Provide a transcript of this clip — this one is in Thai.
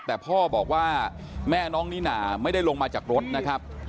แต่พ่อบอกว่าแม่น้องนิน่าไม่ได้ลงมาจากรถนะครับ